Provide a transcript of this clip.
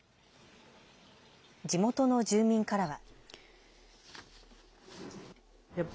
地元の住民からは。